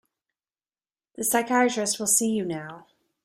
The psychiatrist will see you now.